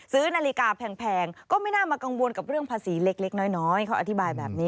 ซื้อนาฬิกาแพงก็ไม่น่ามากังวลกับเรื่องภาษีเล็กน้อยเขาอธิบายแบบนี้